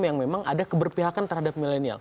yang memang ada keberpihakan terhadap milenial